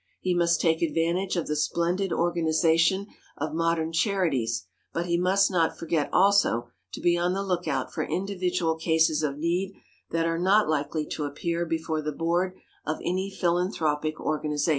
He must take advantage of the splendid organization of modern charities, but he must not forget also to be on the lookout for individual cases of need that are not likely to appear before the board of any philanthropic organization.